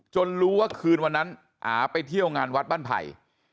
รู้ว่าคืนวันนั้นอาไปเที่ยวงานวัดบ้านไผ่